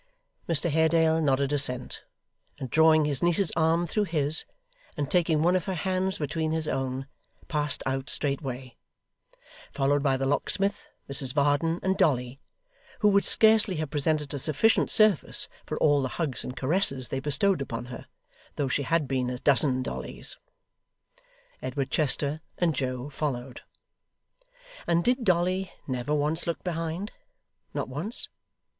Mr Haredale nodded assent, and drawing his niece's arm through his, and taking one of her hands between his own, passed out straightway; followed by the locksmith, Mrs Varden, and Dolly who would scarcely have presented a sufficient surface for all the hugs and caresses they bestowed upon her though she had been a dozen Dollys. Edward Chester and Joe followed. And did Dolly never once look behind not once?